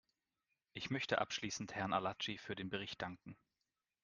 Ich möchte abschließend Herrn Arlacchi für den Bericht danken.